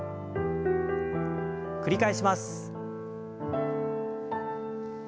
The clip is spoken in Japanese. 繰り返します。